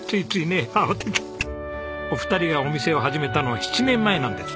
お二人がお店を始めたのは７年前なんです。